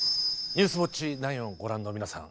「ニュースウオッチ９」をご覧の皆さん